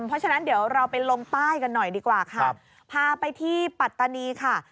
เพราะฉะนั้นเดี๋ยวเราไปลงใต้กันหน่อยดีกว่าค่ะพาไปที่ปัตตานีค่ะ